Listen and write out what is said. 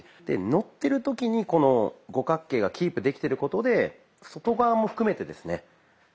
でのってる時にこの五角形がキープできてることで外側も含めてですね